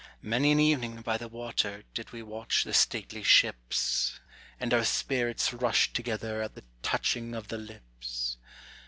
Many an evening by the water did we watch the stately ships, And our spirits rushed together at the touching of the lips.